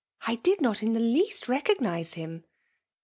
* X did ,not in the least recognize him."